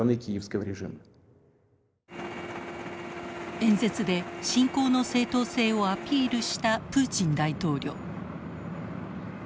演説で侵攻の正当性をアピールしたプーチン大統領。